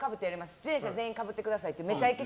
出演者全員かぶってくださいって「めちゃイケ」